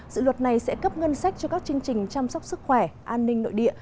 dự luật này sẽ cấp ngân sách cho các chương trình chăm sóc sức khỏe an ninh nội địa